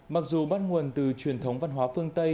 mặc dù bắt nguồn từ truyền thống văn hóa phương tây